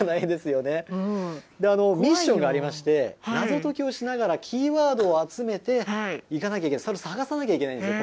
ミッションがありまして謎解きをしながらキーワードを集めていかなければいけない探さなければいけないんです。